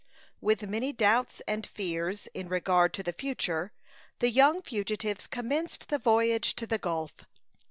With many doubts and fears in regard to the future, the young fugitives commenced the voyage to the Gulf.